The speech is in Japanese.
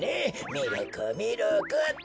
ミルクミルクっと。